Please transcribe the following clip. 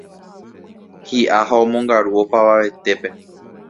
hi'a ha omongaru opavavetépe